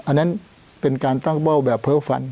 อันนั้นเป็นการตั้งเบ้าแบบเพ้อฝัน